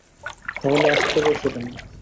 তা হলে আসতে বলছ কেন?